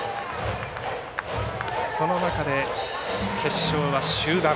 その中で決勝は終盤。